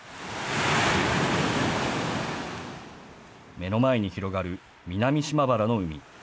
目の前に広がる南島原の海。